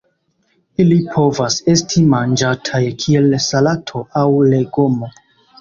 Ili povas esti manĝataj kiel salato aŭ legomo.